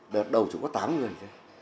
đợt đầu chúng có tám người